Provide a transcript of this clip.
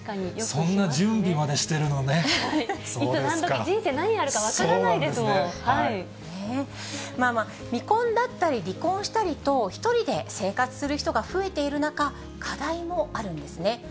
そんな準備までしてるのね、いつ何時、人生何があるか分まあまあ、未婚だったり離婚したりと、１人で生活する人が増えている中、課題もあるんですね。